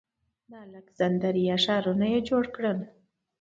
د الکسندریه ښارونه یې جوړ کړل